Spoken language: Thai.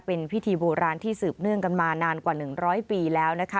เป็นพิธีโบราณที่สืบเนื่องกันมานานกว่า๑๐๐ปีแล้วนะคะ